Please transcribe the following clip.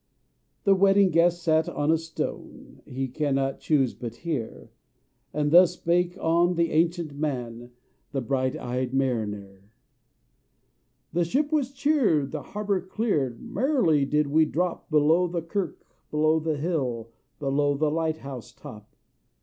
The Wedding Guest sat on a stone: He cannot choose but hear; And thus spake on that ancient man, The bright eyed Mariner: "The ship was cheered, the harbour cleared, Merrily did we drop Below the kirk, below the hill, Below the lighthouse top.